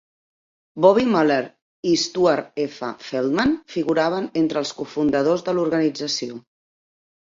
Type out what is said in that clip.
Bobby Muller i Stuart F. Feldman figuraven entre els cofundadors de l'organització.